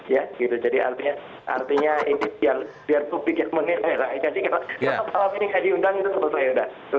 ya gitu jadi artinya artinya ini biar publiknya menerangin jadi kalau malam ini nggak diundang itu sebetulnya udah